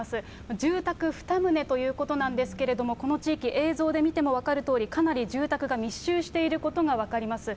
住宅２棟ということなんですけれども、この地域、映像で見ても分かるとおり、かなり住宅が密集していることが分かります。